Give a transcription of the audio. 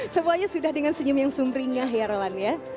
semuanya sudah dengan senyum yang sumringah ya roland ya